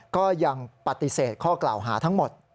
ก็ยังปฏิเสธข้อกล่าวหาทั้งหมด